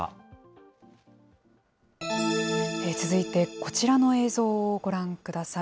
続いて、こちらの映像をご覧ください。